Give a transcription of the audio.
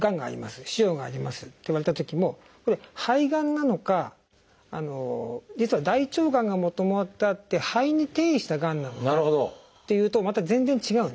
腫瘍がありますって言われたときもこれ肺がんなのか実は大腸がんがもともとあって肺に転移したがんなのかっていうとまた全然違うんですね。